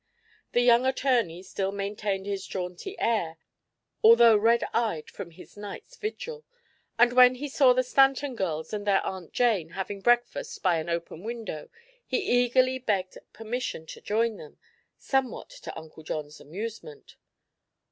The young attorney still maintained his jaunty air, although red eyed from his night's vigil, and when he saw the Stanton girls and their Aunt Jane having breakfast by an open window he eagerly begged permission to join them, somewhat to Uncle John's amusement.